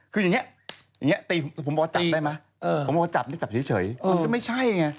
คืออย่างนี้อย่างนี้ผมบอกว่าจับได้ไหมผมบอกว่าจับนี่จับเฉยมันก็ไม่ใช่ไง